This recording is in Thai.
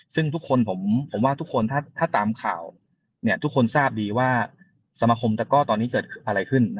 ซึ่งทุกคนผมว่าทุกคนถ้าตามข่าวทุกคนทราบดีว่าสมาคมตะก้อตอนนี้เกิดอะไรขึ้น